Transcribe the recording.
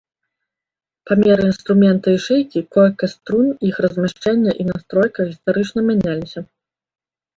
Памеры інструмента і шыйкі, колькасць струн, іх размяшчэнне і настройка гістарычна мяняліся.